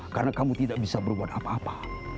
karena kamu tidak bisa berbuat apa apa